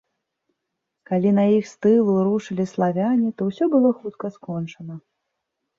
Калі на іх з тылу рушылі славяне, то ўсё было хутка скончана.